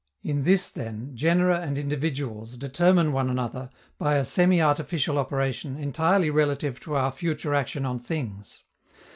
In this, then, genera and individuals determine one another by a semi artificial operation entirely relative to our future action on things.